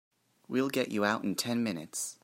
We'll get you out in ten minutes.